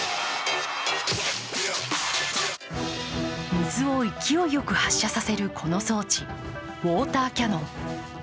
水を勢いよく発射させるこの装置、ウォーターキャノン。